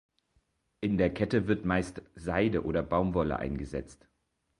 In der Kette wird meist Seide oder Baumwolle eingesetzt.